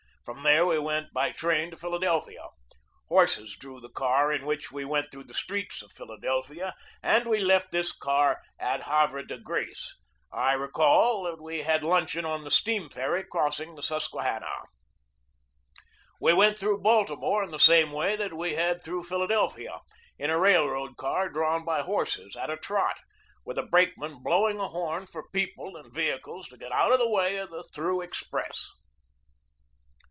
From there we went by train to Philadelphia. Horses drew the car in which we went through the streets of i 4 GEORGE DEWEY Philadelphia, and we left this car at Havre de Grace. I recall that we had luncheon on the steam ferry crossing the Susquehanna. We went through Baltimore in the same way that we had through Philadelphia, in a railroad car drawn by horses at a trot, with a brakeman blowing a horn for people and vehicles to get out of the way of the through express.